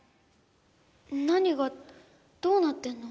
何がどうなってんの？